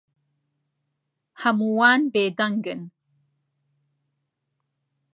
هەمووان بێدەنگن.